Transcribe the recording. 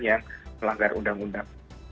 yang melanggar undang undang